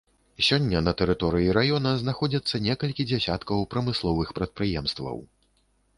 Сёння на тэрыторыі раёна знаходзяцца некалькі дзясяткаў прамысловых прадпрыемстваў.